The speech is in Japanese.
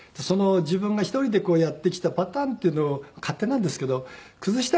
自分が１人でやってきたパターンっていうのを勝手なんですけど崩したくないんで。